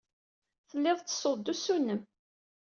Telliḍ tettessuḍ-d usu-nnem.